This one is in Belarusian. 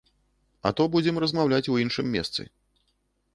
А то будзем размаўляць у іншым месцы.